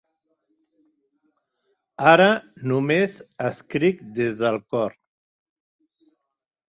Ara només escric des del cor.